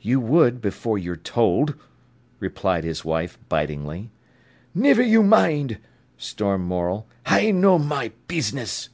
"You would, before you're told," replied his wife bitingly. "Niver you mind," stormed Morel. "I know my business."